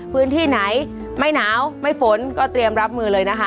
พื้นที่ไหนไม่หนาวไม่ฝนก็เตรียมรับมือเลยนะคะ